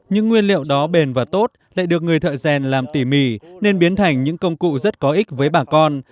những nguyên liệu đó bền và tốt lại được người thợ rèn làm tỉ mỉ nên biến thành những công cụ rất có ích với bà con